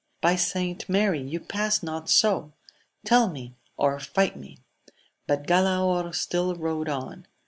— By St. Mary, you pass not so ! tell me, or fight me I But Galaor still rode on.